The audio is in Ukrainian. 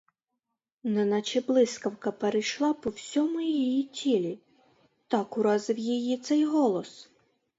Неначе блискавка перейшла по всьому її тілі, так уразив її цей голос.